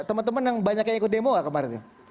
teman teman yang banyak yang ikut demo gak kemarin